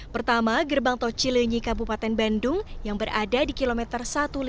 pertama gerbang tol cilenyi kabupaten bandung yang berada di kilometer satu ratus lima puluh